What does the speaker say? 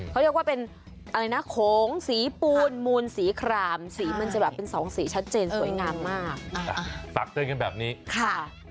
เขาเรียกว่าเป็นอะไรนะโขงสีปูนมูลสีครามสีมันจะแบบเป็นสองสีชัดเจนสวยงามมากฝากเตือนกันแบบนี้ค่ะ